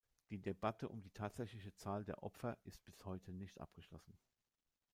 Die Debatte um die tatsächliche Zahl der Opfer ist bis heute nicht abgeschlossen.